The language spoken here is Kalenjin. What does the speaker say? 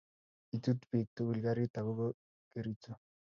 kichuut biik tugul karit agoba Kericho